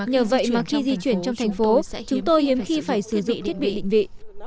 nhờ vậy mà khi di chuyển trong thành phố chúng tôi hiếm khi phải sử dụng thiết bị định vị